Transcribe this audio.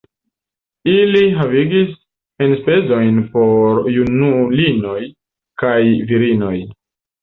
Ili havigis enspezojn por junulinoj kaj virinoj.